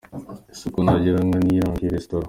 Isuku ntagereranywa niyo iranga iyi resitora.